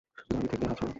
গাড়ি থেকে হাত সড়া।